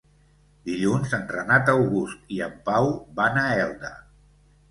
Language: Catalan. Dilluns en Renat August i en Pau van a Elda.